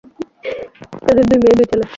তাদের দুই মেয়ে, দুই ছেলে।